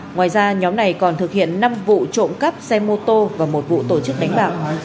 ngoài ra nhóm này còn thực hiện năm vụ trộm cắp xe mô tô và một vụ tổ chức đánh bạc